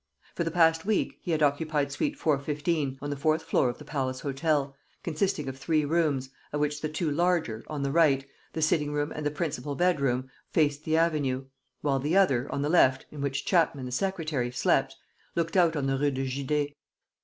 For the past week, he had occupied suite 415, on the fourth floor of the Palace Hotel, consisting of three rooms, of which the two larger, on the right, the sitting room and the principal bedroom, faced the avenue; while the other, on the left, in which Chapman, the secretary, slept, looked out on the Rue de Judée.